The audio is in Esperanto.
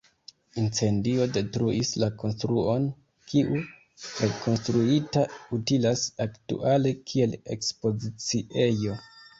Incendio detruis la konstruon, kiu, rekonstruita, utilas aktuale kiel ekspoziciejo.